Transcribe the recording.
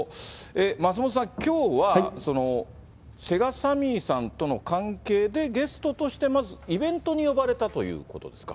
松本さん、きょうはセガサミーさんとの関係で、ゲストとして、まずイベントに呼ばれたということですか？